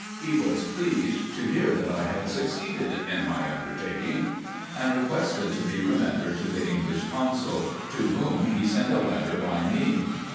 He was pleased to hear that I had succeeded in my undertaking, and requested to be remembered to the English Consul, to whom he sent a letter by me.